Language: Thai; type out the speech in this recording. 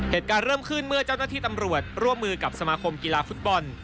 เหตุการณ์เริ่มขึ้นเมื่อเจ้าหน้าที่ตำรวจร่วมมือกับสมาคมกีฬาฟุตบอล